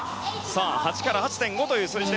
８から８．５という数字。